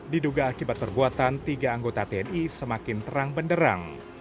diduga akibat perbuatan tiga anggota tni semakin terang benderang